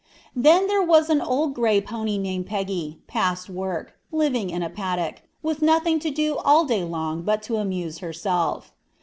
"Then there was an old gray pony named Peggy, past work, living in a paddock, with nothing to do all day long but to amuse herself.